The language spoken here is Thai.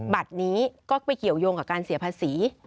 บัตรนี้ก็ไปเกี่ยวยงกับการเสียภาษี